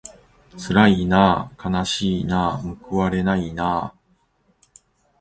つらいなあかなしいなあむくわれないなあ